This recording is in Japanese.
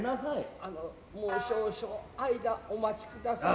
あのもう少々間お待ちください。